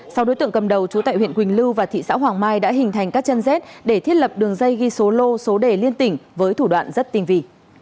sau đối tượng cầm đầu trú tại huyện quỳnh lưu và thị xã hoàng mai đã hình thành các chân dết để thiết lập đường dây ghi số lô số đề liên tỉnh với thủ đoạn rất tinh vị